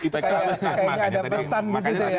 kayaknya ada pesan di situ ya